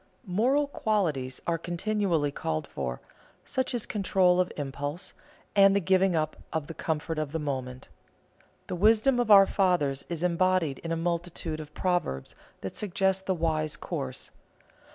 Moral qualities are continually called for, such as control of impulse, and the giving up of the comfort of the moment. The wisdom of our fathers is embodied in a multitude of proverbs that suggest the wise course.